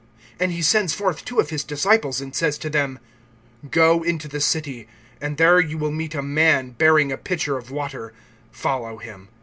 (13)And he sends forth two of his disciples, and says to them: Go into the city, and there will meet you a man bearing a pitcher of water; follow him.